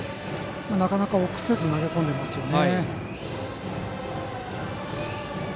なかなか、臆せず投げ込んでいますよね。